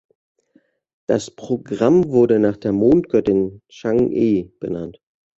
Das Programm wurde nach der Mondgöttin Chang’e benannt.